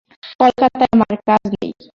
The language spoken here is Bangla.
কলকাতায় আমার কাজ নেই।